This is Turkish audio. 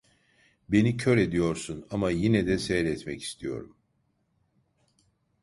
Beni kör ediyorsun, ama yine de seyretmek istiyorum.